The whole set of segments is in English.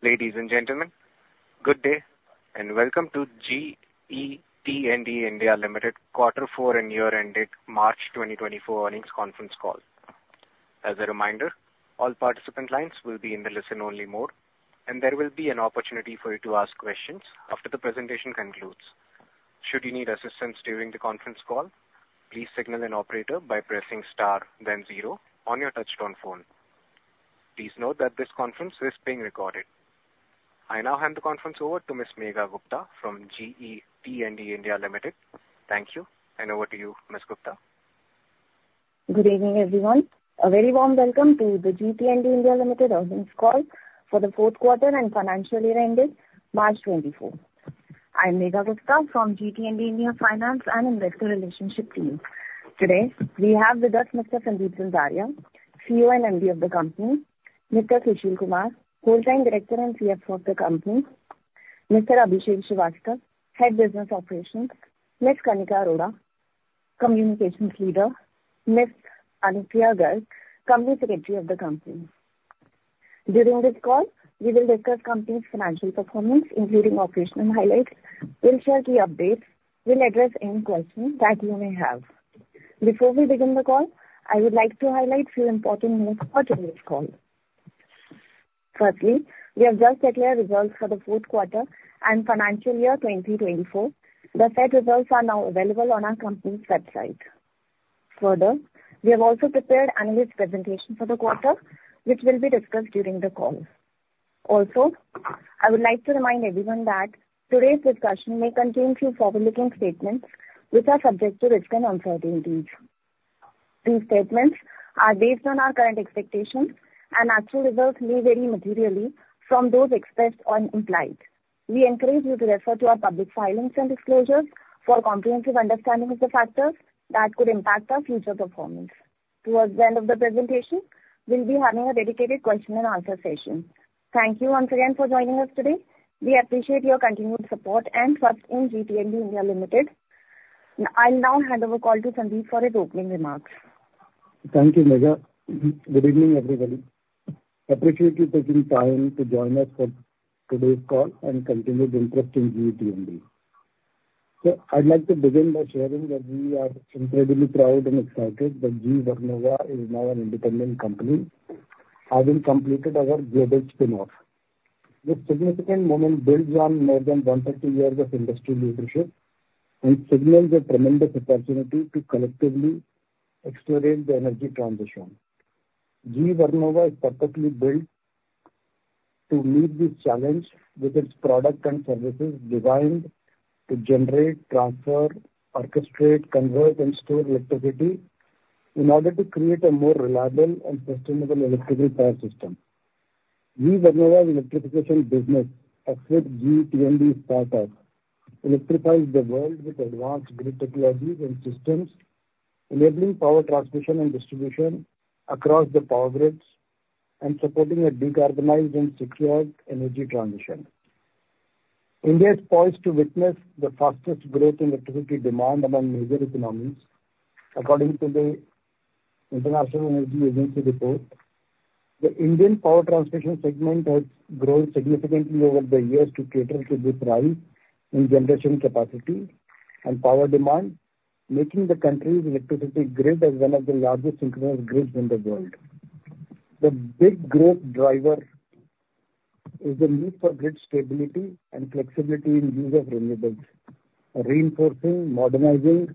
Ladies and gentlemen, good day, and welcome to GE T&D India Limited Quarter Four and Year Ended March 2024 earnings conference call. As a reminder, all participant lines will be in the listen-only mode, and there will be an opportunity for you to ask questions after the presentation concludes. Should you need assistance during the conference call, please signal an operator by pressing star then zero on your touchtone phone. Please note that this conference is being recorded. I now hand the conference over to Ms. Megha Gupta from GE T&D India Limited. Thank you, and over to you, Ms. Gupta. Good evening, everyone. A very warm welcome to the GE T&D India Limited earnings call for the fourth quarter and financial year ended March 2024. I'm Megha Gupta from GE T&D India Finance and Investor Relationship Team. Today, we have with us Mr. Sandeep Zanzaria, CEO and MD of the company, Mr. Sushil Kumar, Full-Time Director and CFO of the company, Mr. Abhishek Srivastava, Head Business Operations, Ms. Kanika Arora, Communications Leader, Ms. Anupriya Garg, Company Secretary of the company. During this call, we will discuss company's financial performance, including operational highlights. We'll share key updates. We'll address any questions that you may have. Before we begin the call, I would like to highlight few important notes for today's call. Firstly, we have just declared results for the fourth quarter and financial year 2024. The said results are now available on our company's website. Further, we have also prepared analyst presentation for the quarter, which will be discussed during the call. Also, I would like to remind everyone that today's discussion may contain few forward-looking statements, which are subject to risk and uncertainties. These statements are based on our current expectations, and actual results may vary materially from those expressed or implied. We encourage you to refer to our public filings and disclosures for a comprehensive understanding of the factors that could impact our future performance. Towards the end of the presentation, we'll be having a dedicated question and answer session. Thank you once again for joining us today. We appreciate your continued support and trust in GE T&D India Limited. Now, I'll now hand over call to Sandeep for his opening remarks. Thank you, Megha. Good evening, everybody. Appreciate you taking time to join us for today's call and continued interest in GE T&D. So I'd like to begin by sharing that we are incredibly proud and excited that GE Vernova is now an independent company, having completed our global spin-off. This significant moment builds on more than 150 years of industry leadership and signals a tremendous opportunity to collectively accelerate the energy transition. GE Vernova is perfectly built to meet this challenge with its product and services designed to generate, transfer, orchestrate, convert, and store electricity in order to create a more reliable and sustainable electrical power system. GE Vernova's electrification business, except GE T&D's power, electrifies the world with advanced grid technologies and systems, enabling power transmission and distribution across the power grids and supporting a decarbonized and secured energy transition. India is poised to witness the fastest growth in electricity demand among major economies, according to the International Energy Agency report. The Indian power transmission segment has grown significantly over the years to cater to this rise in generation capacity and power demand, making the country's electricity grid as one of the largest synchronized grids in the world. The big growth driver is the need for grid stability and flexibility in use of renewables. Reinforcing, modernizing,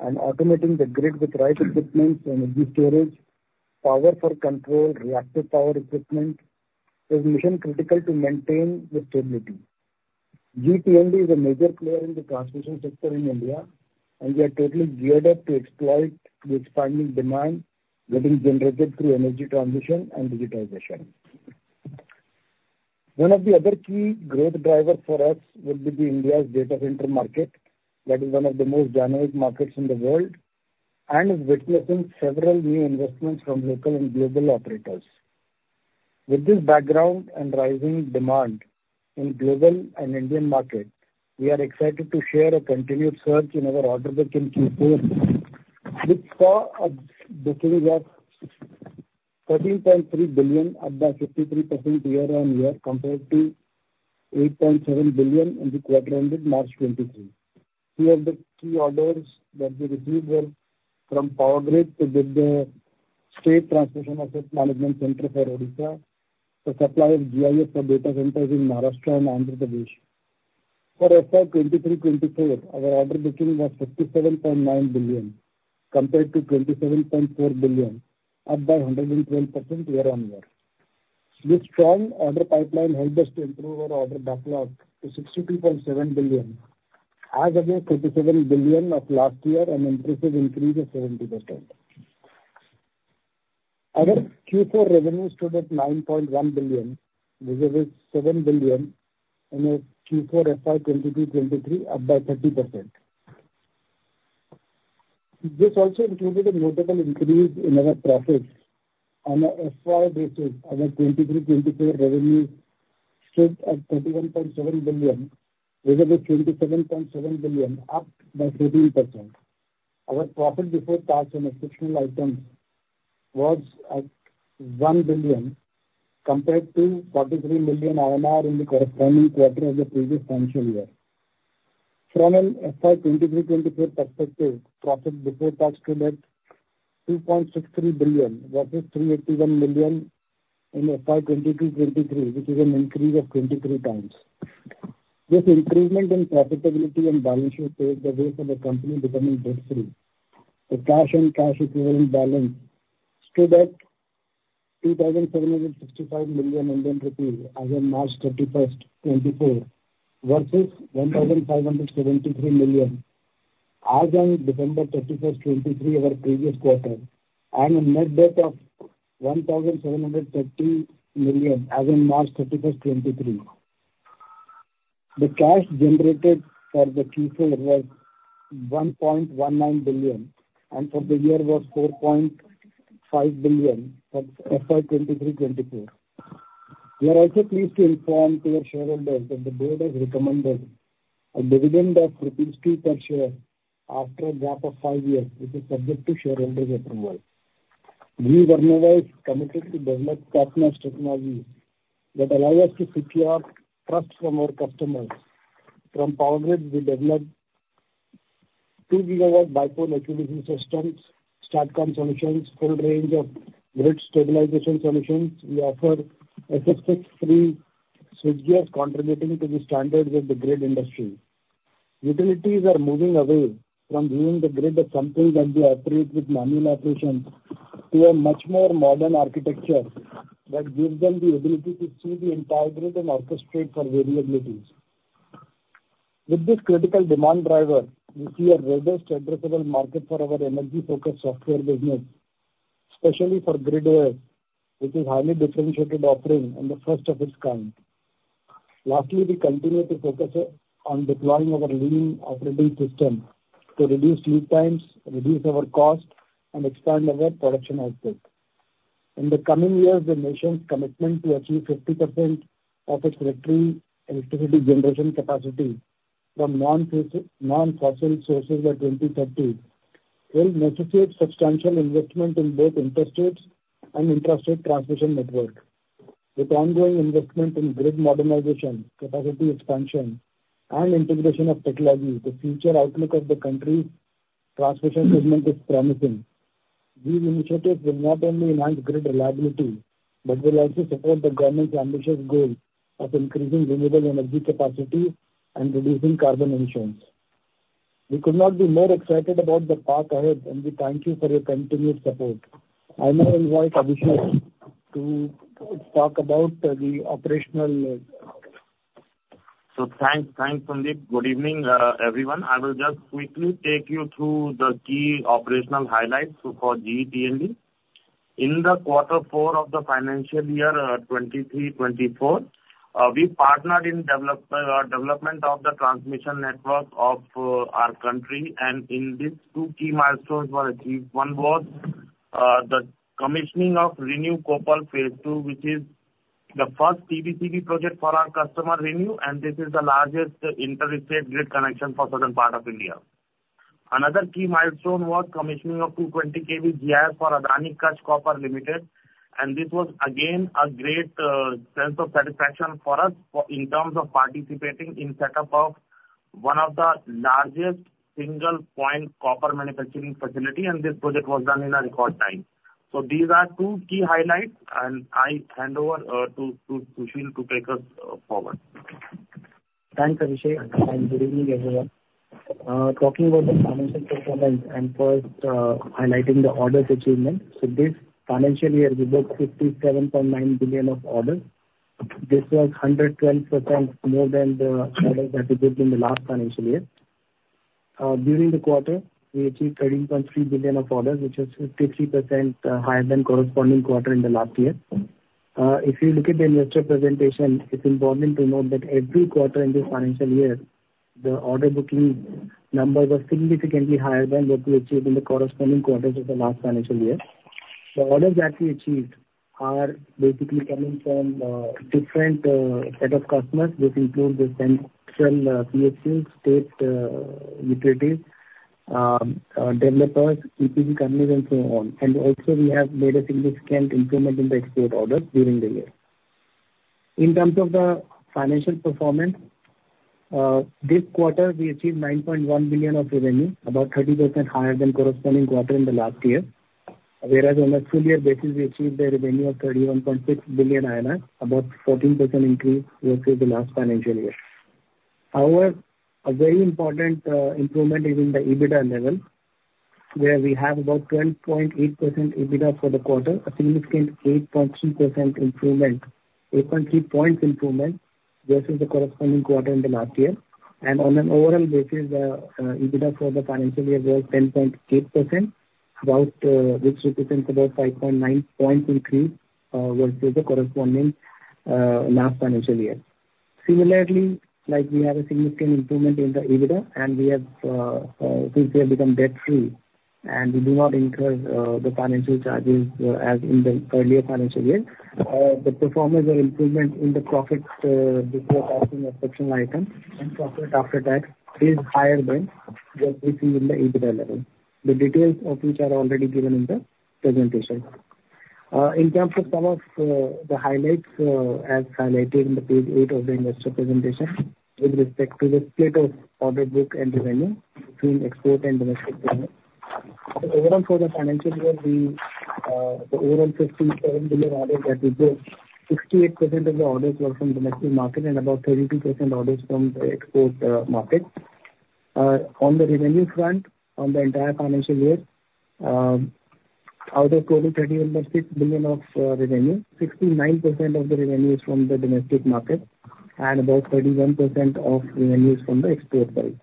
and automating the grid with right equipment and energy storage, power flow control, reactive power equipment is mission critical to maintain the stability. GE T&D is a major player in the transmission sector in India, and we are totally geared up to exploit the expanding demand that is generated through energy transition and digitization. One of the other key growth driver for us will be India's data center market. That is one of the most dynamic markets in the world and is witnessing several new investments from local and global operators. With this background and rising demand in global and Indian market, we are excited to share a continued surge in our order book in Q4, which saw a booking of 13.3 billion, up by 53% year-on-year, compared to 8.7 billion in the quarter ended March 2023. Few of the key orders that we received were from Power Grid with the State Transmission Asset Management Centre for Odisha, the supply of GIS for data centers in Maharashtra and Andhra Pradesh. For FY 2023-2024, our order booking was 57.9 billion, compared to 27.4 billion, up by 112% year-on-year. This strong order pipeline helped us to improve our order backlog to 62.7 billion, as against 57 billion of last year, an impressive increase of 70%. Our Q4 revenue stood at 9.1 billion, which was 7 billion in the Q4 FY 2022-2023, up by 30%. This also included a notable increase in our profits. On a FY basis, our 2023-2024 revenue stood at 31.7 billion, rather than 27.7 billion, up by 13%....Our profit before tax and exceptional items was at 1 billion compared to 43 million in the corresponding quarter of the previous financial year. From an FY 2023-2024 perspective, profit before tax stood at 2.63 billion versus 381 million in FY 2022-2023, which is an increase of 23x. This improvement in profitability and balance sheet paved the way for the company becoming debt free. The cash and cash equivalent balance stood at 2,765 million Indian rupees as of March 31st, 2024, versus 1,573 million as on December 31st, 2023, our previous quarter, and a net debt of 1,730 million as on March 31st, 2023. The cash generated for the Q4 was 1.19 billion, and for the year was 4.5 billion for FY 2023-2024. We are also pleased to inform to our shareholders that the board has recommended a dividend of rupees 2 per share after a gap of five years, which is subject to shareholders' approval. We remain committed to develop top-notch technology that allow us to secure trust from our customers. From Power Grid, we developed 2 GW bipolar DC systems, STATCOM solutions, full range of grid stabilization solutions. We offer AIS, GIS switchgears contributing to the standards of the grid industry. Utilities are moving away from viewing the grid as something that they operate with manual operations to a much more modern architecture that gives them the ability to see the entire grid and orchestrate for variabilities. With this critical demand driver, we see a robust addressable market for our energy-focused software business, especially for Grid Software, which is highly differentiated offering and the first of its kind. Lastly, we continue to focus on deploying our Lean Operating System to reduce lead times, reduce our cost, and expand our production output. In the coming years, the nation's commitment to achieve 50% of its total electricity generation capacity from non-fossil sources by 2030 will necessitate substantial investment in both interstate and intrastate transmission network. With ongoing investment in grid modernization, capacity expansion, and integration of technology, the future outlook of the country's transmission segment is promising. These initiatives will not only enhance grid reliability, but will also support the government's ambitious goal of increasing renewable energy capacity and reducing carbon emissions. We could not be more excited about the path ahead, and we thank you for your continued support. I now invite Abhishek to talk about the operational... Thanks, thanks, Sandeep. Good evening, everyone. I will just quickly take you through the key operational highlights for GE T&D India. In quarter four of the financial year 2023, 2024, we partnered in development of the transmission network of our country, and in this, two key milestones were achieved. One was the commissioning of Koppal phase II, which is the first TBCB project for our customer, ReNew, and this is the largest interstate grid connection for southern part of India. Another key milestone was commissioning of 220 kV GIS for Adani Kutch Copper Limited, and this was again a great sense of satisfaction for us in terms of participating in setup of one of the largest single point copper manufacturing facility, and this project was done in a record time. So these are two key highlights, and I hand over to Sushil to take us forward. Thanks, Abhishek, and good evening, everyone. Talking about the financial performance and first, highlighting the orders achievement. So this financial year, we booked 57.9 billion of orders. This was 112% more than the orders that we booked in the last financial year. During the quarter, we achieved 13.3 billion of orders, which is 53% higher than corresponding quarter in the last year. If you look at the investor presentation, it's important to note that every quarter in this financial year, the order booking numbers are significantly higher than what we achieved in the corresponding quarters of the last financial year. The orders that we achieved are basically coming from different set of customers. This includes the central PSUs, state utilities, developers, EPC companies, and so on. And also we have made a significant improvement in the export orders during the year. In terms of the financial performance, this quarter, we achieved 9.1 billion of revenue, about 30% higher than corresponding quarter in the last year. Whereas on a full year basis, we achieved a revenue of 31.6 billion INR, about 14% increase versus the last financial year. However, a very important improvement is in the EBITDA level, where we have about 12.8% EBITDA for the quarter, a significant 8.3 points improvement, versus the corresponding quarter in the last year. And on an overall basis, EBITDA for the financial year was 10.8%, about which represents about 5.9 points increase, versus the corresponding last financial year. Similarly, like we have a significant improvement in the EBITDA, and we have, since we have become debt free and we do not incur the financial charges as in the earlier financial year. The performance or improvement in the profits before accounting exceptional items and profit after tax is higher than what we see in the EBITDA level, the details of which are already given in the presentation. In terms of some of the highlights as highlighted in page eight of the investor presentation, with respect to the state of order book and revenue between export and domestic segment. So overall, for the financial year, we, the overall INR 57 billion orders that we booked, 68% of the orders were from domestic market and about 32% orders from the export market. On the revenue front, on the entire financial year, out of total 36 billion of revenue, 69% of the revenue is from the domestic market, and about 31% of revenue is from the export side.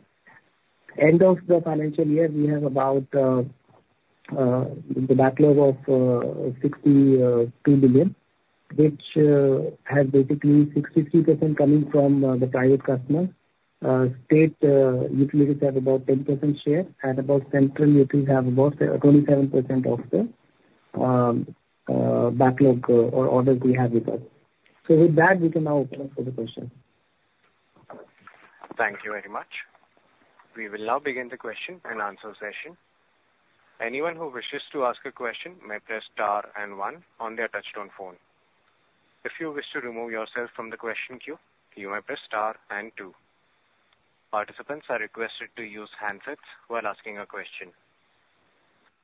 End of the financial year, we have about the backlog of 62 billion, which has basically 62% coming from the private customers. State utilities have about 10% share, and about central utilities have about 27% of the backlog or orders we have with us. So with that, we can now open up for the questions. Thank you very much. We will now begin the question and answer session. Anyone who wishes to ask a question may press star and one on their touchtone phone. If you wish to remove yourself from the question queue, you may press star and two. Participants are requested to use handsets while asking a question.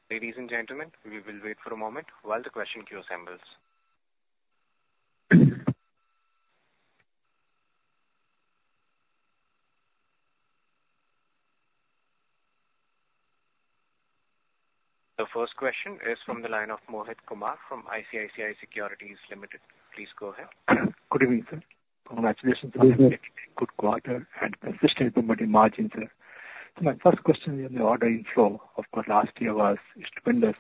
Ladies and gentlemen, we will wait for a moment while the question queue assembles. The first question is from the line of Mohit Kumar from ICICI Securities Limited. Please go ahead. Good evening, sir. Congratulations on the good quarter and consistent improvement in margins. My first question is on the ordering flow. Of course, last year was tremendous,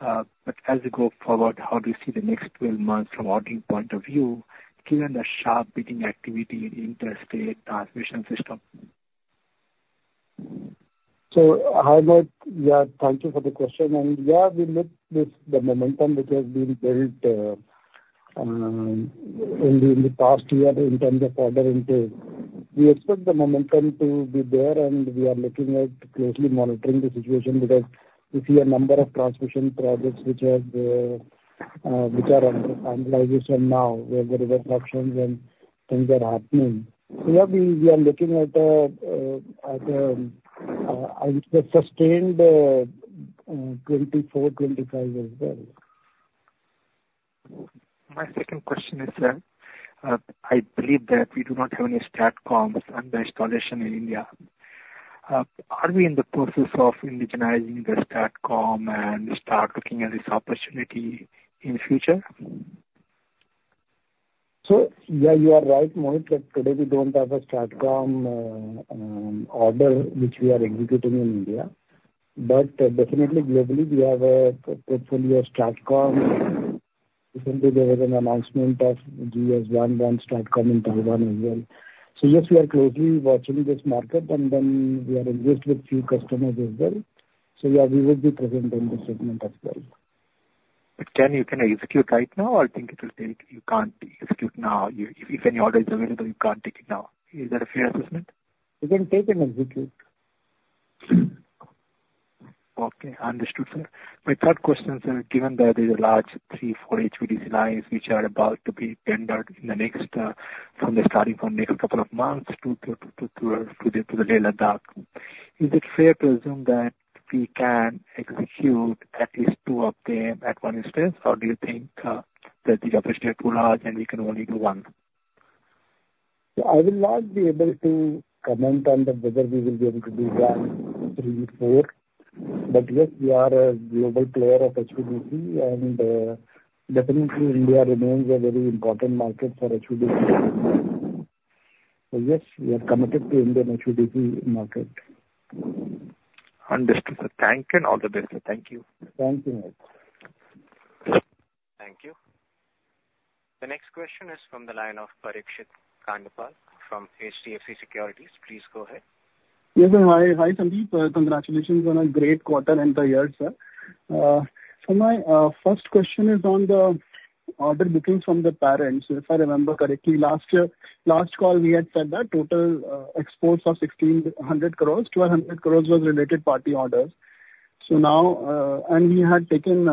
but as we go forward, how do you see the next 12 months from ordering point of view, given the sharp bidding activity in the interstate transmission system? So, hi, Mohit. Yeah, thank you for the question. Yeah, we look at this, the momentum which has been built in the past year in terms of order intake. We expect the momentum to be there, and we are looking at closely monitoring the situation because we see a number of transmission projects which are under finalization now, where the river options and things are happening. So yeah, we are looking at a sustained 2024, 2025 as well. My second question is, I believe that we do not have any STATCOMs under installation in India. Are we in the process of indigenizing the STATCOM and start looking at this opportunity in future? So, yeah, you are right, Mohit, that today we don't have a STATCOM order, which we are executing in India. But definitely, globally, we have a portfolio of STATCOM. Recently, there was an announcement of GS won STATCOM in Taiwan as well. So yes, we are closely watching this market, and then we are engaged with few customers as well. So yeah, we will be present in this segment as well. But can you, can you execute right now? I think it will take... You can't execute now. If, if any order is available, you can't take it now. Is that a fair assessment? We can take and execute. Okay, understood, sir. My third question, sir, given that there is a large three, four HVDC lines which are about to be tendered in the next, from starting from next couple of months to the Ladakh, is it fair to assume that we can execute at least two of them at one instance, or do you think that the opportunity is too large, and we can only do one? I will not be able to comment on that, whether we will be able to do one, three, four. But yes, we are a global player of HVDC, and definitely India remains a very important market for HVDC. So yes, we are committed to Indian HVDC market. Understood, sir. Thank you, and all the best, sir. Thank you. Thank you, Mohit. Thank you. The next question is from the line of Parikshit Kandpal from HDFC Securities. Please go ahead. Yes, sir. Hi, hi, Sandeep. Congratulations on a great quarter and the year, sir. So my first question is on the order bookings from the parents. If I remember correctly, last year, last call, we had said that total exports of 1,600 crore, 1,200 crore was related party orders. So now, and we had taken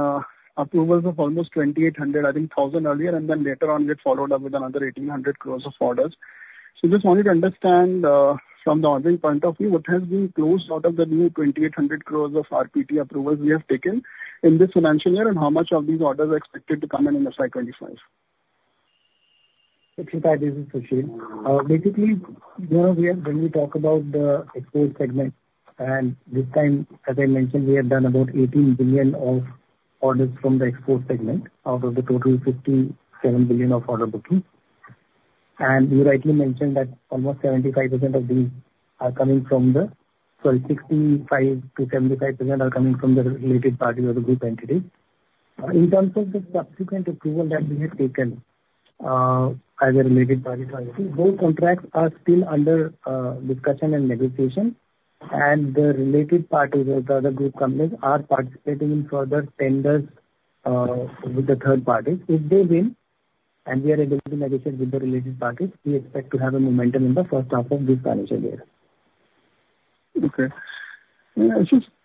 approvals of almost 2,800,000 earlier, and then later on, we followed up with another 1,800 crore of orders. So just wanted to understand from the ordering point of view, what has been closed out of the new 2,800 crore of RPT approvals we have taken in this financial year, and how much of these orders are expected to come in in the fiscal 2025? Basically, you know, when we talk about the export segment, and this time, as I mentioned, we have done about 18 billion of orders from the export segment out of the total 57 billion of order bookings. And you rightly mentioned that almost 75% of these are coming from the—sorry, 65%-75% are coming from the related parties or the group entities. In terms of the subsequent approval that we have taken, as a related party, those contracts are still under discussion and negotiation, and the related parties or the other group companies are participating in further tenders with the third parties. If they win, and we are able to negotiate with the related parties, we expect to have a momentum in the first half of this financial year. Okay.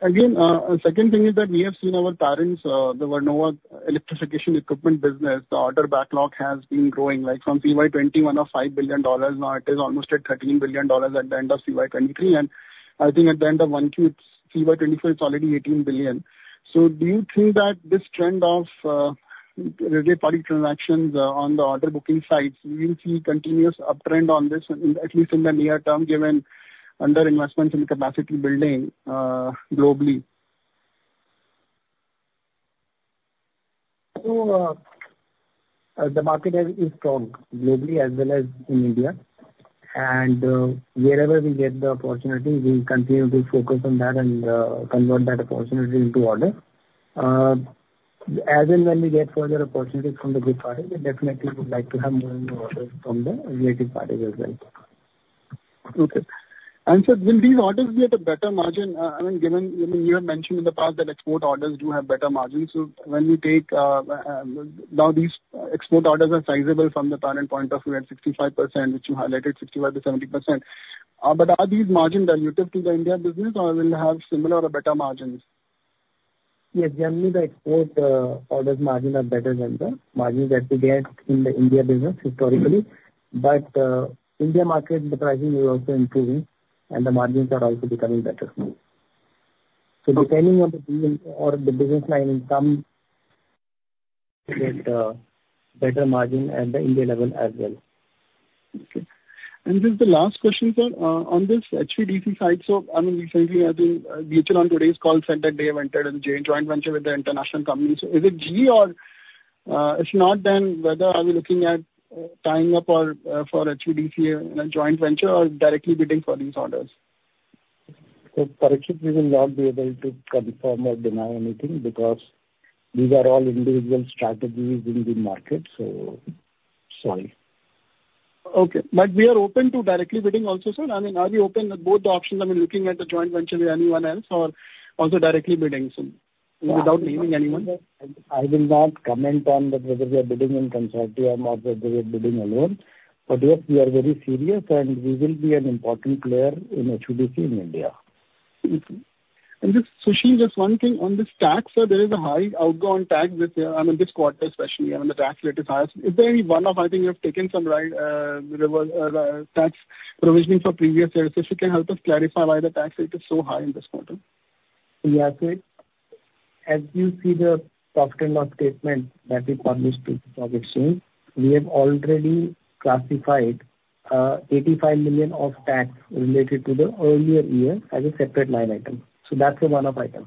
Again, second thing is that we have seen our parent's, the GE Vernova electrification equipment business, the order backlog has been growing, like from CY 2021 of $5 billion, now it is almost at $13 billion at the end of CY 2023, and I think at the end of 1Q, it's CY 2024, it's already $18 billion. So do you think that this trend of, related party transactions, on the order booking side, will we see continuous uptrend on this, at least in the near term, given under investments in capacity building, globally? So, the market is strong globally as well as in India. And, wherever we get the opportunity, we continue to focus on that and, convert that opportunity into order. As and when we get further opportunities from the group party, we definitely would like to have more and more orders from the related parties as well. Okay. And sir, will these orders be at a better margin? I mean, given, I mean, you have mentioned in the past that export orders do have better margins. So when we take, now these export orders are sizable from the current point of view at 65%, which you highlighted 65%-70%. But are these margin dilutive to the India business or will they have similar or better margins? Yes, generally, the export orders margin are better than the margins that we get in the India business historically. But, India market, the pricing is also improving and the margins are also becoming better too. So depending on the deal or the business line, some get, better margin at the India level as well. Okay. And this is the last question, sir. On this HVDC side, so I mean, recently, as in virtual on today's call said that they have entered in a joint venture with the international companies. Is it GE, or, if not, then whether are we looking at tying up or, for HVDC in a joint venture or directly bidding for these orders? Parikshit, we will not be able to confirm or deny anything because these are all individual strategies in the market. So sorry. Okay. But we are open to directly bidding also, sir? I mean, are we open to both the options, I mean, looking at the joint venture with anyone else or also directly bidding, so, without naming anyone? I will not comment on that, whether we are bidding in consortium or whether we are bidding alone, but, yes, we are very serious, and we will be an important player in HVDC in India. Okay. And just, Sushil, just one thing, on this tax, sir, there is a high outgoing tax with, I mean, this quarter especially, I mean, the tax rate is highest. Is there any one-off? I think you have taken some right, reversal tax provisioning for previous years. If you can help us clarify why the tax rate is so high in this quarter. Yeah, so as you see the profit and loss statement that we published in stock exchange, we have already classified, 85 million of tax related to the earlier year as a separate line item. So that's a one-off item.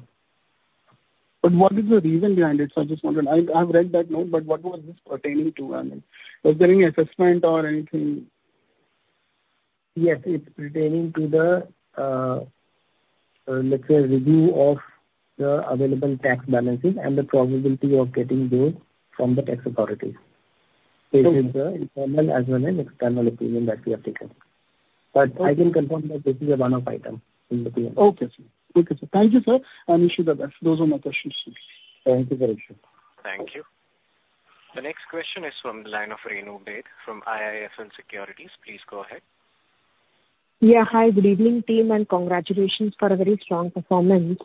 What is the reason behind it, sir? I just wondered. I've read that note, but what was this pertaining to? I mean, was there any assessment or anything? Yes, it's pertaining to the, let's say, review of the available tax balances and the probability of getting those from the tax authorities. This is the internal as well as external opinion that we have taken. But I can confirm that this is a one-off item in the PNL. Okay, sir. Okay, sir. Thank you, sir, and wish you the best. Those are my questions. Thank you, Parikshit. Thank you. The next question is from the line of Renu Baid from IIFL Securities. Please go ahead. Yeah. Hi, good evening, team, and congratulations for a very strong performance.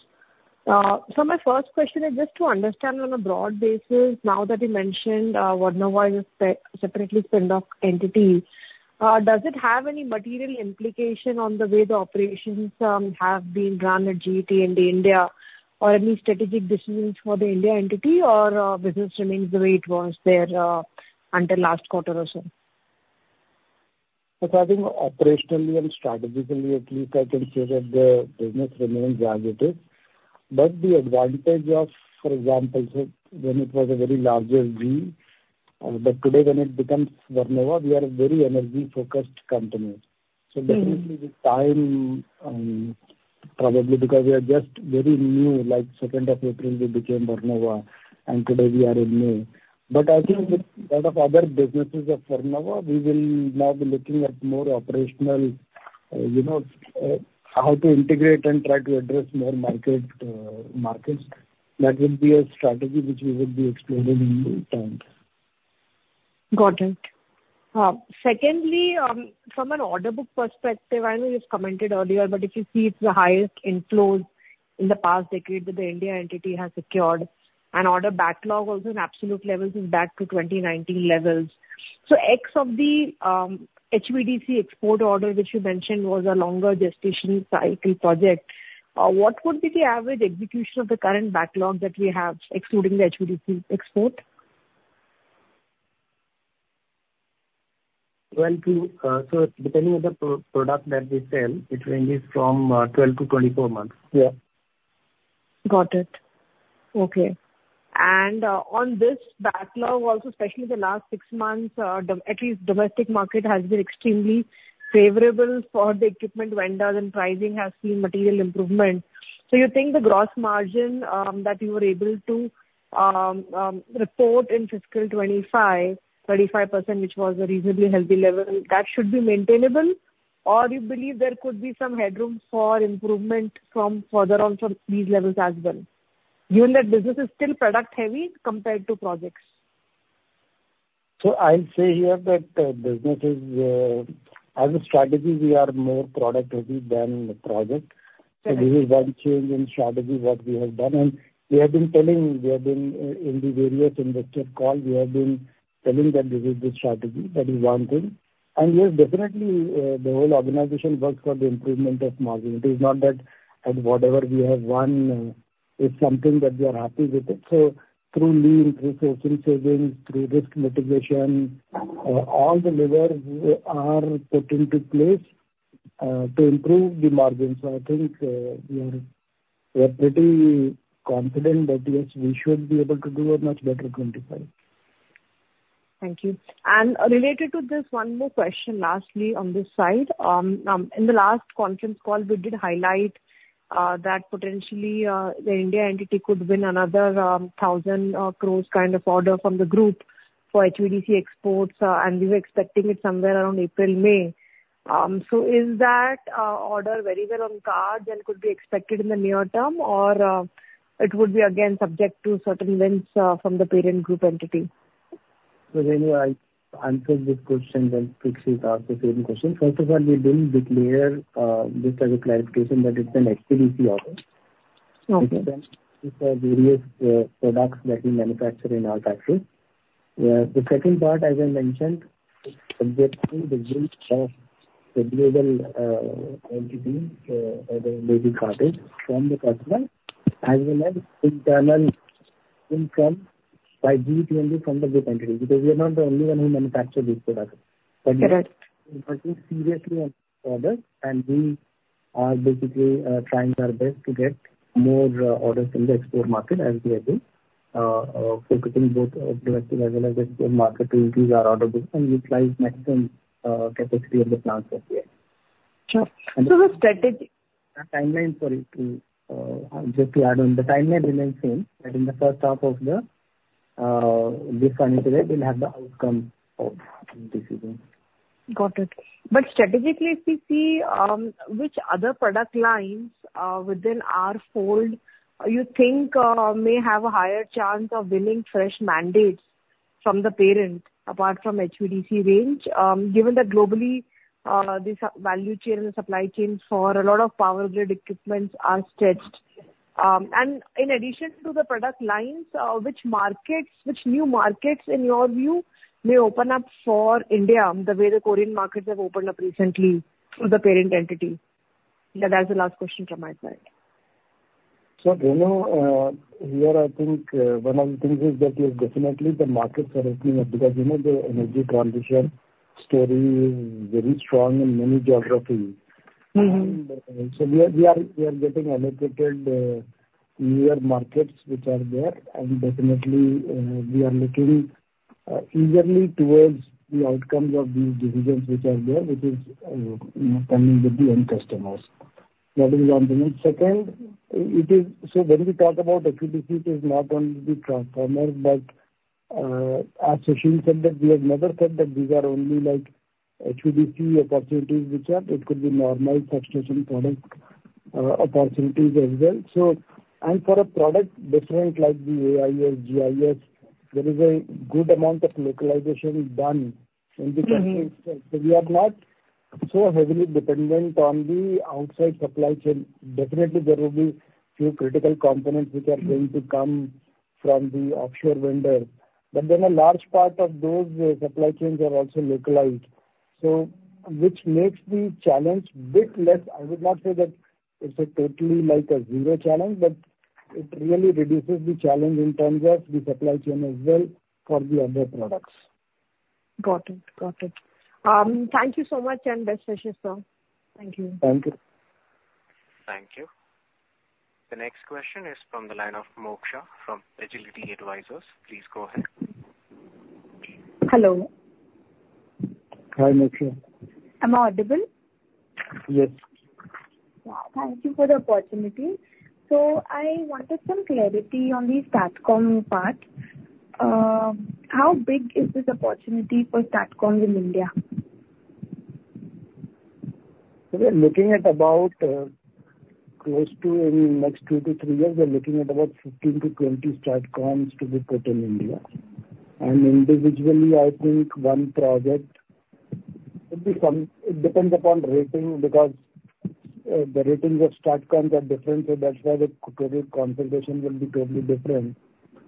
So my first question is just to understand on a broad basis, now that you mentioned, Vernova was a separately spin off entity, does it have any material implication on the way the operations have been run at GE T&D India, or any strategic decisions for the India entity, or, business remains the way it was there, until last quarter or so? So I think operationally and strategically, at least, I can say that the business remains as it is. But the advantage of, for example, sir, when it was a very larger GE, but today, when it becomes Vernova, we are a very energy-focused company. Mm-hmm. So definitely the time, probably because we are just very new, like second of April, we became Vernova, and today we are in May. But I think with lot of other businesses of Vernova, we will now be looking at more operational, you know, how to integrate and try to address more market, markets. That will be a strategy which we will be exploring in due time. Got it. Secondly, from an order book perspective, I know it's commented earlier, but if you see it's the highest inflows in the past decade that the India entity has secured, and order backlog also in absolute levels is back to 2019 levels. So X of the, HVDC export order, which you mentioned, was a longer gestation cycle project. What would be the average execution of the current backlog that we have, excluding the HVDC export? Well, so depending on the product that we sell, it ranges from 12 months-24 months. Yeah. Got it. Okay. And on this backlog also, especially the last six months, at least domestic market has been extremely favorable for the equipment vendors, and pricing has seen material improvement.... So you think the gross margin that you were able to report in fiscal 2025, 35%, which was a reasonably healthy level, that should be maintainable? Or you believe there could be some headroom for improvement from further on from these levels as well, given that business is still product heavy compared to projects? I'll say here that business is, as a strategy, we are more product heavy than the project. Okay. So this is one change in strategy, what we have done, and we have been telling in the various investor calls that this is the strategy that we wanted. And, yes, definitely, the whole organization works for the improvement of margin. It is not that at whatever we have won, it's something that we are happy with it. So through lean, through sourcing savings, through risk mitigation, all the levers are put into place, to improve the margins. So I think, we are, we are pretty confident that, yes, we should be able to do a much better 2025. Thank you. And related to this, one more question lastly on this side. In the last conference call, we did highlight that potentially the India entity could win another 1,000 crore kind of order from the group for HVDC exports, and we were expecting it somewhere around April, May. So is that order very well on the cards and could be expected in the near term? Or it would be again subject to certain wins from the parent group entity? So then I answer this question, then Parikshit, ask the same question. First of all, we didn't declare this as a clarification that it's an HVDC order. Okay. It's various products that we manufacture in our factories. The second part, as I mentioned, is subject to the risk of renewable energy or the basic contract from the customer, as well as internal income by EBIT only from the group entity, because we are not the only one who manufacture this product. Correct. But we're working seriously on products, and we are basically trying our best to get more orders in the export market as we are doing. So between both as well as the export market to increase our order book and utilize maximum capacity of the plants that we have. Sure. So the strategic- Timeline, sorry, just to add on, the timeline remains same, that in the first half of this financial year, we'll have the outcome of this decision. Got it. But strategically, if we see, which other product lines, within our fold, you think, may have a higher chance of winning fresh mandates from the parent, apart from HVDC range, given that globally, the value chain and supply chain for a lot of power grid equipments are stretched. And in addition to the product lines, which markets, which new markets in your view, may open up for India, the way the Korean markets have opened up recently through the parent entity? That is the last question from my side. So, Renu, here I think, one of the things is that, yes, definitely the markets are opening up because, you know, the energy transition story is very strong in many geographies. Mm-hmm. So we are getting unexpected, newer markets which are there, and definitely, we are looking eagerly towards the outcomes of these divisions which are there, which is, you know, coming with the end customers. That is on the second, it is... So when we talk about HVDC, it is not only the transformers, but, as Sushil said, that we have never said that these are only like HVDC opportunities, which are, it could be normal substation product, opportunities as well. So, and for a product different, like the AIS, GIS, there is a good amount of localization done in the country itself. Mm-hmm. We are not so heavily dependent on the outside supply chain. Definitely, there will be few critical components which are- Mm-hmm. going to come from the offshore vendor, but then a large part of those supply chains are also localized. So which makes the challenge bit less. I would not say that it's a totally like a zero challenge, but it really reduces the challenge in terms of the supply chain as well for the other products. Got it. Got it. Thank you so much, and best wishes, sir. Thank you. Thank you. Thank you. The next question is from the line of Moksha from Agility Advisors. Please go ahead. Hello. Hi, Moksha. Am I audible? Yes. Yeah, thank you for the opportunity. So I wanted some clarity on the STATCOM part. How big is this opportunity for STATCOM in India? So we are looking at about, close to in next two to three years, we are looking at about 15-20 STATCOMs to be put in India. And individually, I think one project could be some-- it depends upon rating, because, the ratings of STATCOM are different, so that's why the total compensation will be totally different.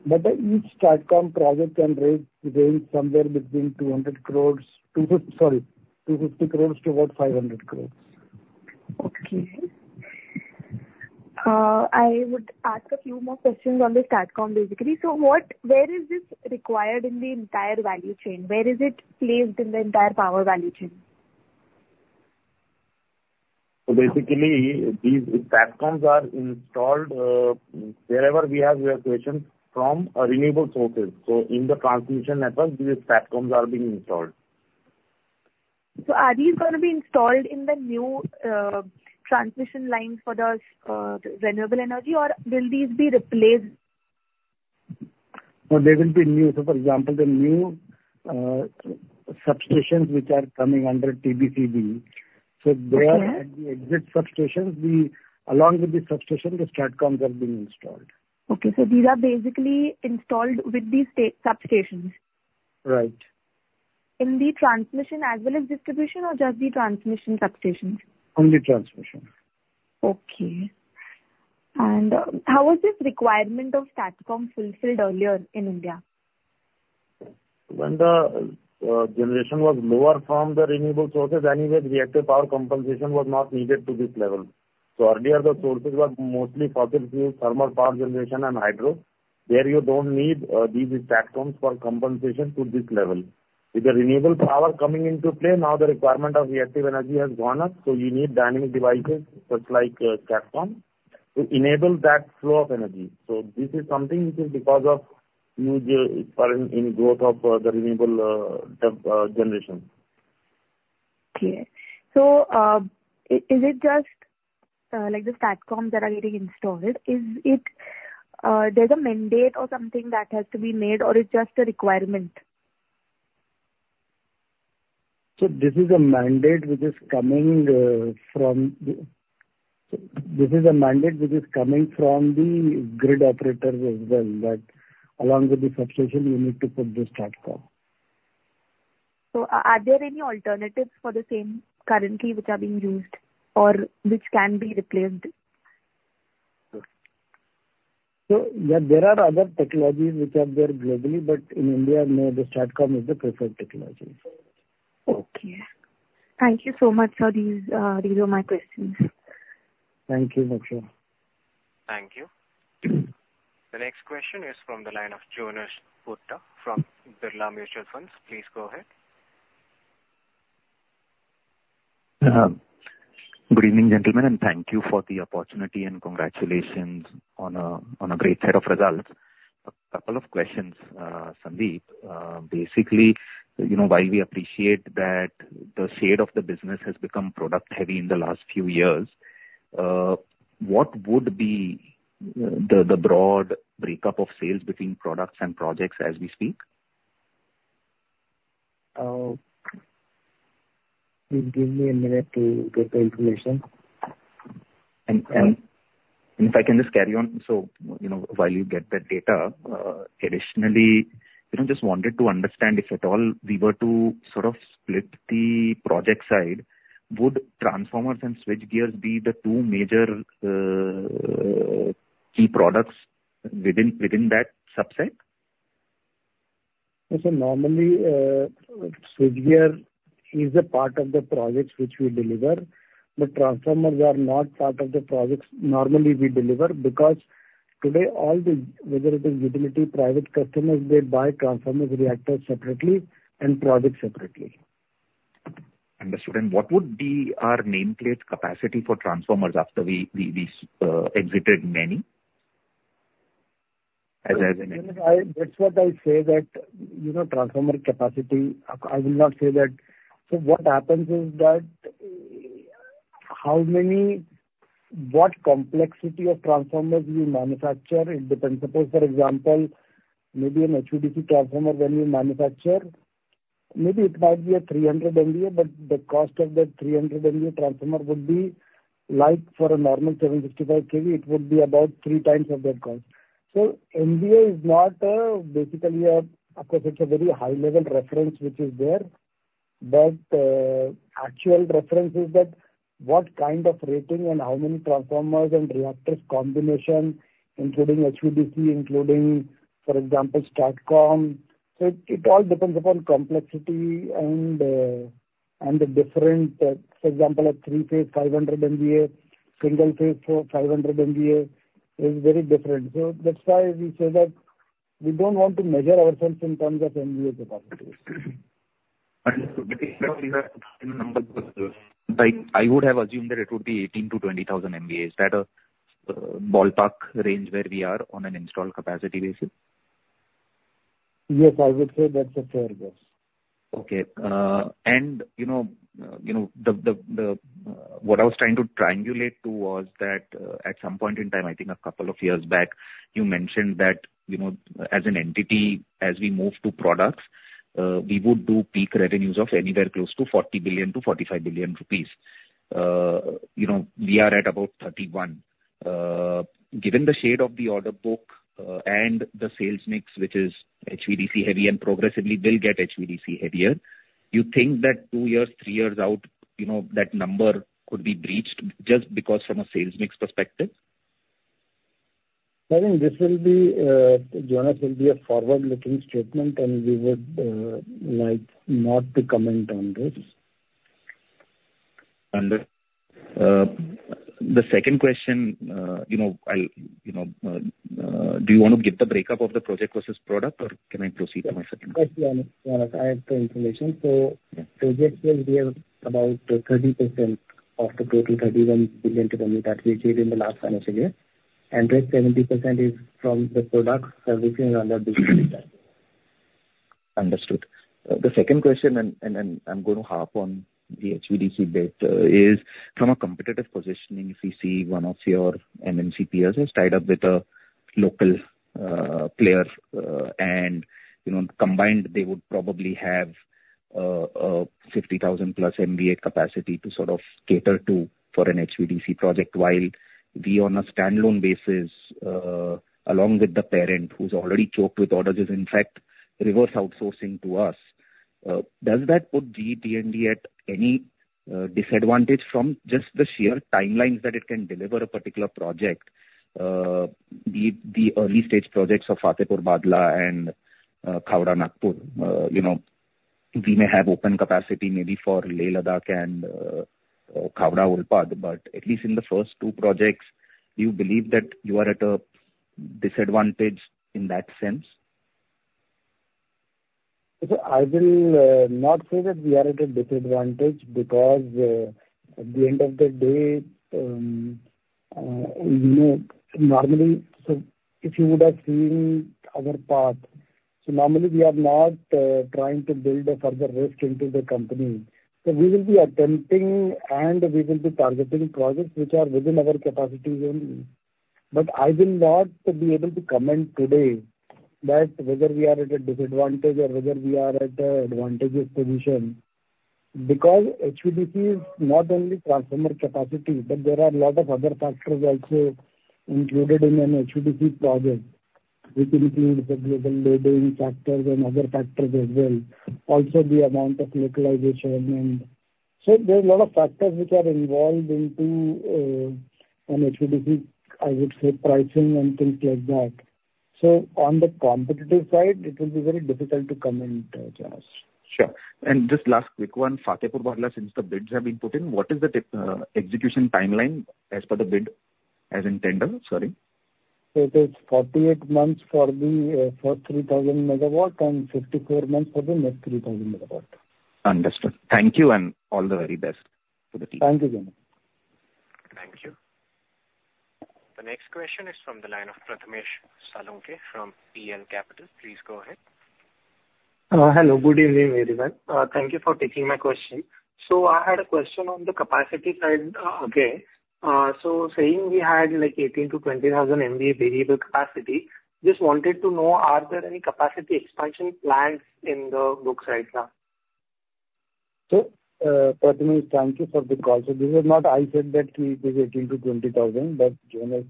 But, each STATCOM project can rate, range somewhere between 200 crore, 250 crore... Sorry, 250 crore to about 500 crore. Okay. I would ask a few more questions on the STATCOM, basically. So where is this required in the entire value chain? Where is it placed in the entire power value chain? So basically, these STATCOMs are installed wherever we have variations from a renewable sources. So in the transmission network, these STATCOMs are being installed.... So are these going to be installed in the new transmission lines for the renewable energy, or will these be replaced? No, they will be new. So for example, the new substations which are coming under TBCB, so they are- Okay. At the exit substations, along with the substation, the STATCOMs are being installed. Okay. So these are basically installed with the substations? Right. In the transmission as well as distribution, or just the transmission substations? Only transmission. Okay. And how was this requirement of STATCOM fulfilled earlier in India? When the generation was lower from the renewable sources, anyway, reactive power compensation was not needed to this level. So earlier, the sources were mostly fossil fuel, thermal power generation and hydro. There you don't need these STATCOMs for compensation to this level. With the renewable power coming into play, now the requirement of reactive energy has gone up, so you need dynamic devices, such like, STATCOM, to enable that flow of energy. So this is something which is because of new current in growth of the renewable generation. Okay. So, is it just, like the STATCOM that are getting installed, is it, there's a mandate or something that has to be made, or it's just a requirement? This is a mandate which is coming from the grid operators as well, that along with the substation, you need to put the STATCOM. So are there any alternatives for the same currently which are being used or which can be replaced? So yeah, there are other technologies which are there globally, but in India, no, the STATCOM is the preferred technology. Okay. Thank you so much for these. These are my questions. Thank you, Moksha. Thank you. The next question is from the line of Jonas Bhutta from Aditya Birla Sun Life Mutual Fund. Please go ahead. Good evening, gentlemen, and thank you for the opportunity, and congratulations on a great set of results. A couple of questions, Sandeep. Basically, you know, while we appreciate that the shade of the business has become product heavy in the last few years, what would be the broad breakup of sales between products and projects as we speak? Give me a minute to get the information. If I can just carry on, so, you know, while you get that data, additionally, I just wanted to understand if at all we were to sort of split the project side, would transformers and switchgears be the two major key products within that subset? Normally, switchgear is a part of the projects which we deliver, but transformers are not part of the projects normally we deliver, because today all the, whether it is utility private customers, they buy transformers reactors separately and projects separately. Understood. And what would be our nameplate capacity for transformers after we exited many? As a- That's what I say, that, you know, transformer capacity, I will not say that. So what happens is that, how many—what complexity of transformers we manufacture, it depends. Suppose, for example, maybe an HVDC transformer, when you manufacture, maybe it might be a 300 MVA, but the cost of that 300 MVA transformer would be like for a normal 765 kV, it would be about three times of that cost. So MVA is not a, basically a, of course, it's a very high level reference which is there, but actual reference is that what kind of rating and how many transformers and reactors combination, including HVDC, including, for example, STATCOM. So it all depends upon complexity and the different, for example, a three-phase 500 MVA, single-phase 500 MVA, is very different. So that's why we say that we don't want to measure ourselves in terms of MVA capacity. And Like, I would have assumed that it would be 18,000 MVAs-20,000 MVAs. Is that a ballpark range where we are on an installed capacity basis? Yes, I would say that's a fair guess. Okay, you know, you know, what I was trying to triangulate to was that, at some point in time, I think a couple of years back, you mentioned that, you know, as an entity, as we move to products, we would do peak revenues of anywhere close to 40 billion-45 billion rupees. You know, we are at about 31 billion. Given the shade of the order book, and the sales mix, which is HVDC heavy and progressively will get HVDC heavier, you think that two years, three years out, you know, that number could be breached just because from a sales mix perspective? I think this will be, Jonas, will be a forward-looking statement, and we would, like not to comment on this. The second question, you know. I'll, you know, do you want to give the break-up of the project versus product, or can I proceed to my second question? Yes, Jonas. Jonas, I have the information. Previously we have about 30% of the total 31 billion revenue that we gave in the last financial year, and rest 70% is from the product services under the business line. Understood. The second question, and I'm going to harp on the HVDC bit, is from a competitive positioning, if you see one of your MNC peers has tied up with a local player, and, you know, combined, they would probably have a 50,000+ MVA capacity to sort of cater to for an HVDC project. While we on a standalone basis, along with the parent, who's already choked with orders, is in fact reverse outsourcing to us. Does that put GE T&D at any disadvantage from just the sheer timelines that it can deliver a particular project, be it the early stage projects of Fatehpur-Bhadla and Khavda-Nagpur? You know, we may have open capacity maybe for Leh-Ladakh and Khavda-Urad, but at least in the first two projects, do you believe that you are at a disadvantage in that sense? So I will not say that we are at a disadvantage because, at the end of the day, you know, normally... So if you would have seen our path, so normally we are not trying to build a further risk into the company. So we will be attempting, and we will be targeting projects which are within our capacity zone. But I will not be able to comment today that whether we are at a disadvantage or whether we are at an advantageous position, because HVDC is not only transformer capacity, but there are a lot of other factors also included in an HVDC project, which include the global loading factors and other factors as well, also the amount of localization. And so there are a lot of factors which are involved into, an HVDC, I would say, pricing and things like that. On the competitive side, it will be very difficult to comment, Jonas. Sure. Just last quick one: Fatehpur-Bhadla, since the bids have been put in, what is the execution timeline as per the bid, as in tender? Sorry. It is 48 months for the first 3,000 MW and 54 months for the next 3,000 MW. Understood. Thank you, and all the very best to the team. Thank you, Jonas. Thank you. The next question is from the line of Prathamesh Salunke from PL Capital. Please go ahead. Hello. Good evening, everyone. Thank you for taking my question. So I had a question on the capacity side, again. So saying we had, like, 18,000 MVA-20,000 MVA variable capacity, just wanted to know, are there any capacity expansion plans in the books right now? So, Prathamesh, thank you for the call. So this is not I said that it is 18,000-20,000, but Jonas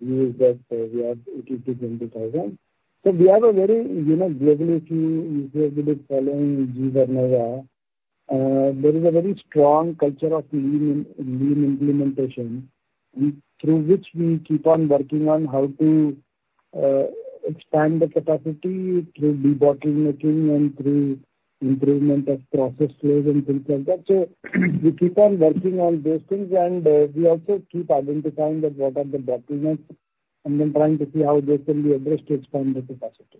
used that, we are 18,000-20,000. So we have a very, you know, globally, we have been following GE Vernova. There is a very strong culture of lean, lean implementation, and through which we keep on working on how to, expand the capacity through debottlenecking and through improvement of process flows and things like that. So we keep on working on those things, and, we also keep identifying that what are the bottlenecks and then trying to see how they can be addressed to expand the capacity.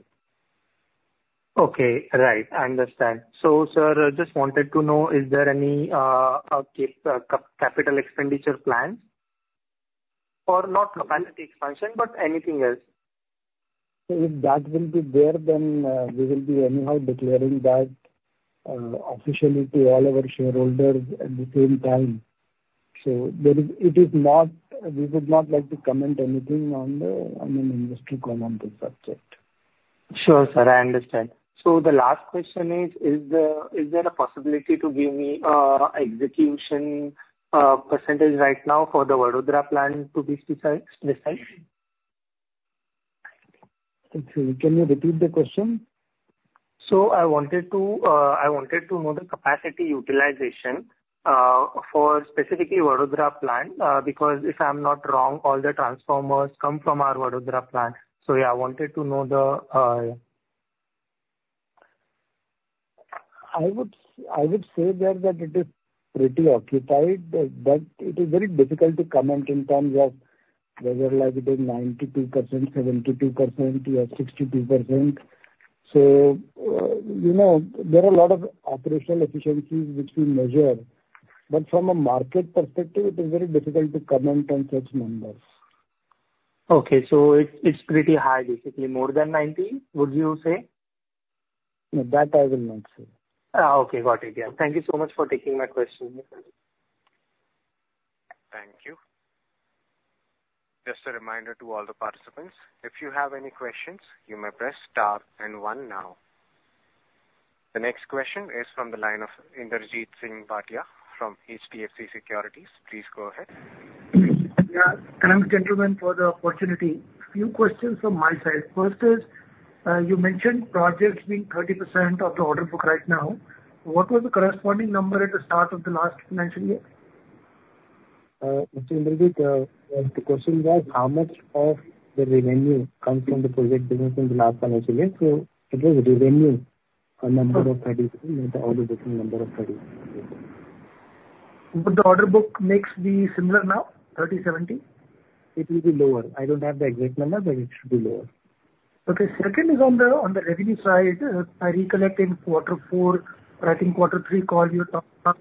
Okay. Right. I understand. So, sir, just wanted to know, is there any capital expenditure plans? Or not capacity expansion, but anything else. So if that will be there, then, we will be anyhow declaring that, officially to all our shareholders at the same time. So there is... It is not, we would not like to comment anything on an industry call on this subject. Sure, sir, I understand. So the last question is, is there a possibility to give me, execution, percentage right now for the Vadodara plant to be decided? Excuse me, can you repeat the question? So, I wanted to, I wanted to know the capacity utilization for specifically Vadodara plant. Because if I'm not wrong, all the transformers come from our Vadodara plant. So yeah, I wanted to know the, I would say there that it is pretty occupied, but it is very difficult to comment in terms of whether, like, it is 92%, 72% or 62%. So, you know, there are a lot of operational efficiencies which we measure, but from a market perspective, it is very difficult to comment on such numbers. Okay, so it's, it's pretty high, basically, more than 90%, would you say? No, that I will not say. Ah, okay. Got it. Yeah. Thank you so much for taking my question. Thank you. Just a reminder to all the participants, if you have any questions, you may press star and one now. The next question is from the line of Inderjeet Singh Bhatia from HDFC Securities. Please go ahead. Yeah. Thanks, gentlemen, for the opportunity. A few questions from my side. First is, you mentioned projects being 30% of the order book right now. What was the corresponding number at the start of the last financial year? Mr. Inderjeet, the question was, how much of the revenue comes from the project business in the last financial year? So it was revenue, a number of 30, not the order book number of 30. But the order book mix is similar now, 30/70? It will be lower. I don't have the exact number, but it should be lower. ... Okay, second is on the, on the revenue side. I recollect in quarter four, I think quarter three call, you talked about,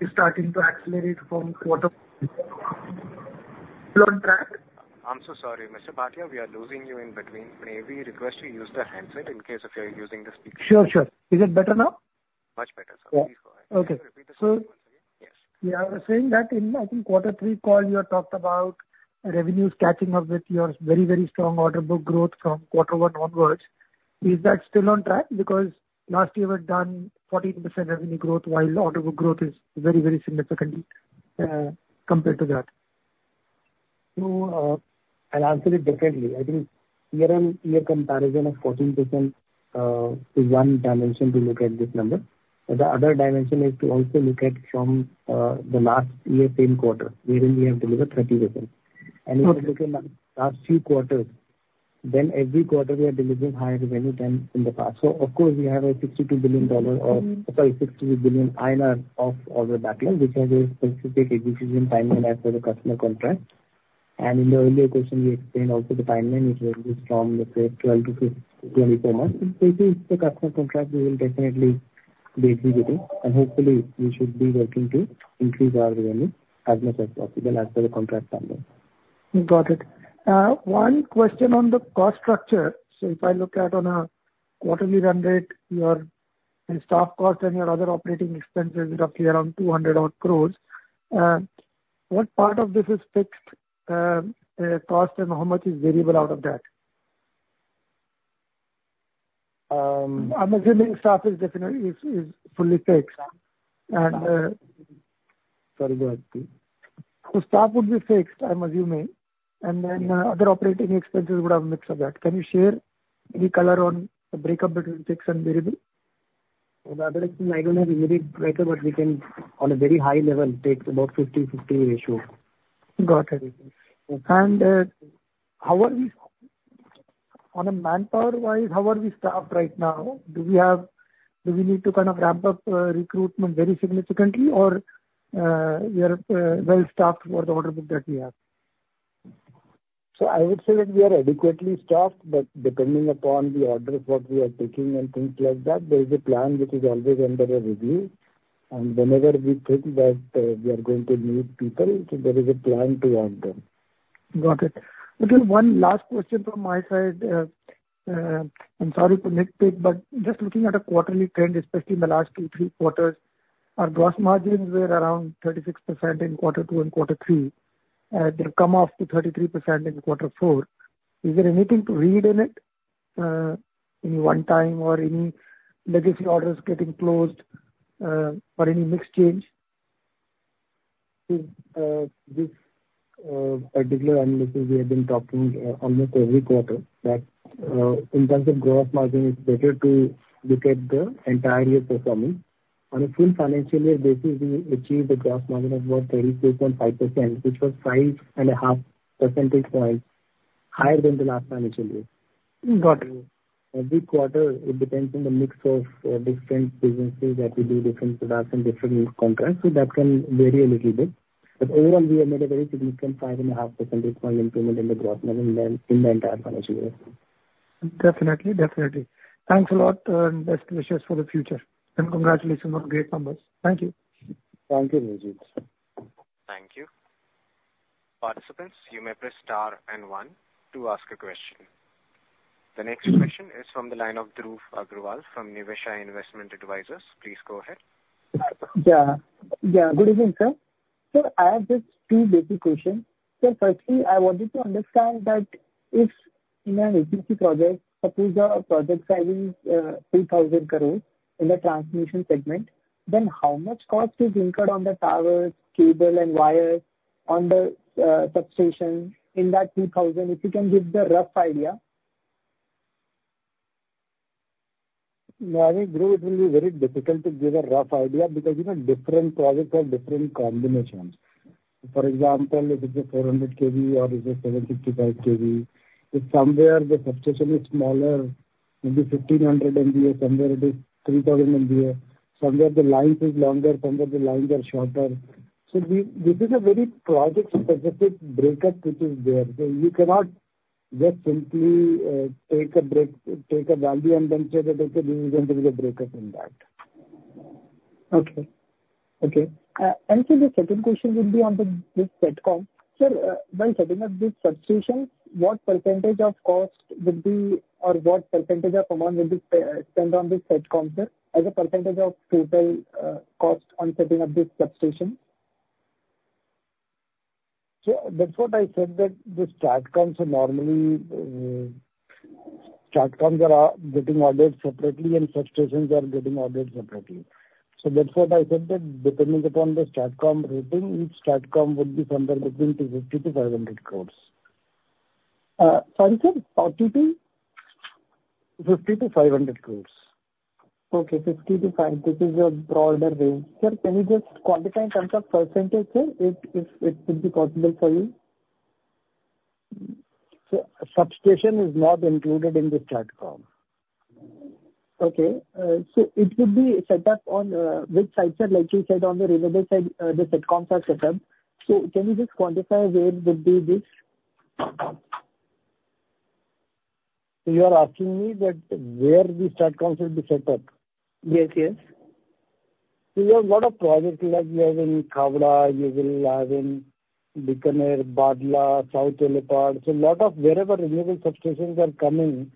is starting to accelerate from quarter. Still on track? I'm so sorry, Mr. Bhatia, we are losing you in between. May we request you use the handset in case if you're using the speaker? Sure, sure. Is it better now? Much better, sir. Yeah. Please go ahead. Okay. Can you repeat the question once again? Yes. Yeah, I was saying that in, I think, quarter three call, you had talked about revenues catching up with your very, very strong order book growth from quarter one onwards. Is that still on track? Because last year we've done 14% revenue growth, while order book growth is very, very significantly compared to that. I'll answer it differently. I think year-on-year comparison of 14% is one dimension to look at this number. But the other dimension is to also look at from the last year same quarter, wherein we have delivered 30%. Okay. And if you look at the last few quarters, then every quarter we are delivering higher revenue than in the past. So of course, we have a $62 billion or sorry, 60 billion INR of order backlog, which has a specific execution timeline as per the customer contract. And in the earlier question, we explained also the timeline, which ranges from, let's say, 12 months-24 months. So if it's a customer contract, we will definitely be executing, and hopefully we should be working to increase our revenue as much as possible as per the contract timeline. Got it. One question on the cost structure. So if I look at on a quarterly run rate, your, the staff cost and your other operating expenses is roughly around 200-odd crores. What part of this is fixed, cost, and how much is variable out of that? Um- I'm assuming staff is definitely fully fixed, and Sorry, go ahead please. Staff would be fixed, I'm assuming, and then, other operating expenses would have a mix of that. Can you share any color on the breakup between fixed and variable? On the other end, I don't have a very breakdown, but we can, on a very high level, talk about 50/50 ratio. Got it. Okay. How are we on a manpower-wise? How are we staffed right now? Do we need to kind of ramp up recruitment very significantly or we are well staffed for the order book that we have? So I would say that we are adequately staffed, but depending upon the orders, what we are taking and things like that, there is a plan which is always under a review. And whenever we think that, we are going to need people, so there is a plan to add them. Got it. Okay, one last question from my side. I'm sorry for nitpick, but just looking at a quarterly trend, especially in the last 2 quarters-3 quarters, our gross margins were around 36% in quarter 2 and quarter 3. They've come off to 33% in quarter 4. Is there anything to read in it, any one-time or any legacy orders getting closed, or any mix change? So, this particular analysis, we have been talking almost every quarter, that in terms of gross margin, it's better to look at the entire year performance. On a full financial year basis, we achieved a gross margin of about 36.5%, which was 5.5 percentage points higher than the last financial year. Got it. Every quarter, it depends on the mix of different businesses that we do, different products and different contracts, so that can vary a little bit. But overall, we have made a very significant 5.5 percentage point improvement in the growth margin in the entire financial year. Definitely, definitely. Thanks a lot, and best wishes for the future, and congratulations on great numbers. Thank you. Thank you, Inderjeet. Thank you. Participants, you may press star and one to ask a question. The next question is from the line of Dhruv Agarwal from Niveshaay Investment Advisors. Please go ahead. Yeah, yeah. Good evening, sir. Sir, I have just two basic questions. So firstly, I wanted to understand that if in an EPC project, suppose the project sizing is 3,000 crore in the transmission segment, then how much cost is incurred on the towers, cable, and wires, on the substation in that 3,000? If you can give the rough idea. I think, Dhruv, it will be very difficult to give a rough idea, because, you know, different projects have different combinations. For example, if it's a 400 kV or it's a 765 kV, if somewhere the substation is smaller, maybe 1,500 MVA, somewhere it is 3,000 MVA, somewhere the lines is longer, somewhere the lines are shorter. So we- this is a very project-specific breakup which is there. So you cannot just simply, take a break, take a value and then say that, "Okay, this is going to be the breakup in that." Okay, okay. Sir, the second question would be on the, the STATCOM. Sir, when setting up this substation, what percentage of cost would be or what percentage of amount will be, spent on the STATCOM, sir, as a percentage of total, cost on setting up this substation? So that's what I said, that the STATCOMs are normally, STATCOMs are, are getting ordered separately and substations are getting ordered separately. So that's what I said, that depending upon the STATCOM rating, each STATCOM would be somewhere between 50 crore-500 crore. Sorry, sir, 50 crore to? 50 crore to 500 crore. Okay, 50 to 500, this is your broader range. Sir, can you just quantify in terms of percentage, sir, if, if, it would be possible for you? So substation is not included in the STATCOM. Okay, so it would be set up on, which sites are, like you said, on the renewable side, the STATCOMs are set up. So can you just quantify where would be this? You are asking me that where the STATCOMs will be set up? Yes, yes. We have a lot of projects, like we have in Khavda, we will have in Bikaner, Bhadla, South Olpad. So lot of wherever renewable substations are coming,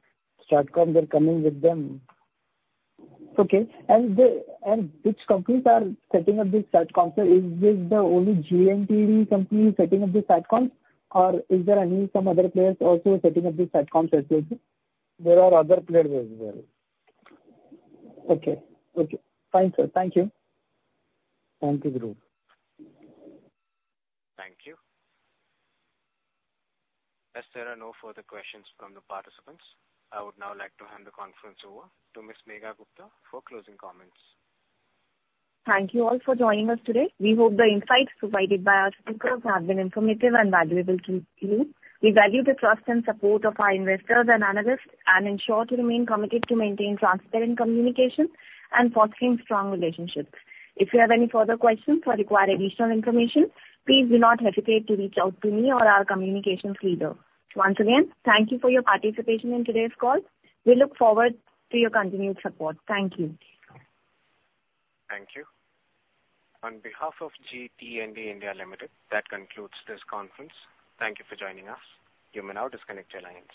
STATCOMs are coming with them. Okay. And the... And which companies are setting up this STATCOM, sir? Is this the only GE T&D company setting up the STATCOMs, or is there any some other players also setting up the STATCOMs as well, sir? There are other players as well. Okay, okay. Fine, sir. Thank you. Thank you, Dhruv. Thank you. As there are no further questions from the participants, I would now like to hand the conference over to Ms. Megha Gupta for closing comments. Thank you all for joining us today. We hope the insights provided by our speakers have been informative and valuable to you. We value the trust and support of our investors and analysts, and ensure to remain committed to maintain transparent communication and fostering strong relationships. If you have any further questions or require additional information, please do not hesitate to reach out to me or our communications leader. Once again, thank you for your participation in today's call. We look forward to your continued support. Thank you. Thank you. On behalf of GE T&D India Limited, that concludes this conference. Thank you for joining us. You may now disconnect your lines.